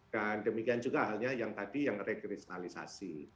dan demikian juga halnya yang tadi yang rekristalisasi